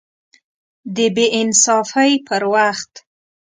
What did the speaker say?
د بې انصافۍ پر وخت